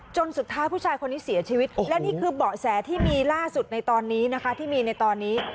จนสุดท้ายผู้ชายคนนี้เสียชีวิตและนี่คือเบาะแสที่มีล่าสุดในตอนนี้นะคะที่มีในตอนนี้